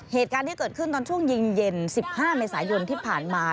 เหตุการณ์ที่เกิดขึ้นตอนช่วงเย็น๑๕เมษายนที่ผ่านมา